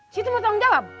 situ mau tanggung jawab